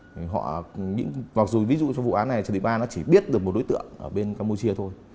họ mặc dù ví dụ trong vụ án này trần thị ba nó chỉ biết được một đối tượng ở bên campuchia thôi